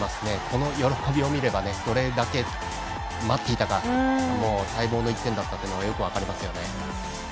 この喜びを見ればどれだけ待っていたか待望の１点だったのがよく分かりますよね。